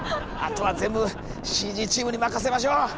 あとは全部ＣＧチームに任せましょう。